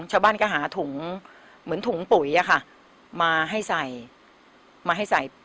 ชาวบ้านก็หาถุงเหมือนถุงปุ๋ยอะค่ะมาให้ใส่มาให้ใส่